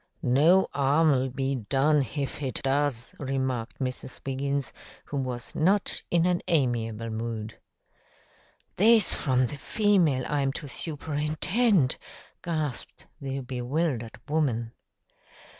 "No 'arm 'll be done hif hit does," remarked Mrs. Wiggins, who was not in an amiable mood. "This from the female I'm to superintend!" gasped the bewildered woman.